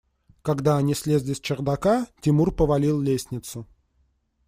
Когда они слезли с чердака, Тимур повалил лестницу.